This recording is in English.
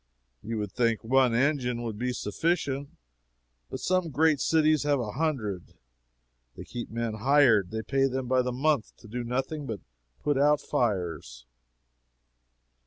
You would think one engine would be sufficient, but some great cities have a hundred; they keep men hired, and pay them by the month to do nothing but put out fires.